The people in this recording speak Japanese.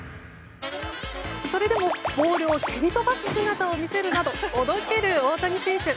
それでもボールを蹴り飛ばす姿を見せるなどおどける大谷選手。